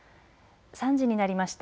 ３時になりました。